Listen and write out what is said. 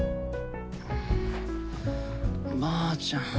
ばあちゃん。